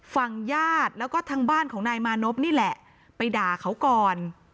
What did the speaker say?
ฝั่งญาติแล้วก็ทางบ้านของนายมานพนี่แหละไปด่าเขาก่อน